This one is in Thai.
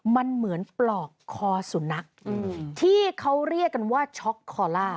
มันเหมือนปลอกคอสุนัขที่เขาเรียกกันว่าช็อกคอล่า